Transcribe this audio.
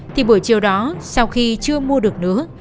thì buổi chiều đó sau khi chưa mua được nữa